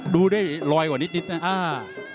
ดูได้รอยกว่านิดนิดน่ะอ่า